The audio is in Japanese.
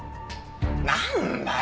なんだよ！